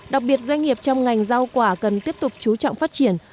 đặc biệt doanh nghiệp trong ngành rau quả cần tiếp tục chú trọng phát triển